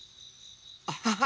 アハハ。